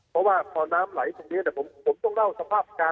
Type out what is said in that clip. เพราะเขาน้ำแหลดตรงนี้เราต้องเล่าสภาพการ